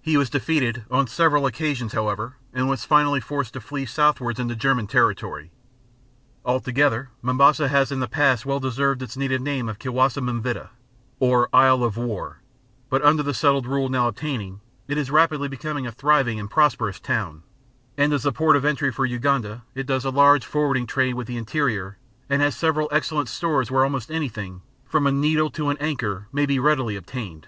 He was defeated on several occasions, however, and was finally forced to flee southwards into German territory. Altogether, Mombasa has in the past well deserved its native name of Kisiwa M'vitaa, or "Isle of War"; but under the settled rule now obtaining, it is rapidly becoming a thriving and prosperous town, and as the port of entry for Uganda, it does a large forwarding trade with the interior and has several excellent stores where almost anything, from a needle to an anchor, may readily be obtained.